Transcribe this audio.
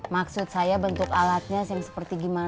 maksud saya bentuk alatnya yang seperti gimana